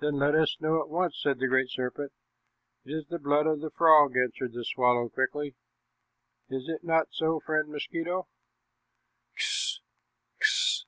"Then let us know at once," said the Great Spirit. "It is the blood of the frog," answered the swallow quickly. "Is it not so, friend mosquito?" "Kss ksss ksssss!"